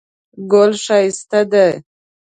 ګل ښایسته دی.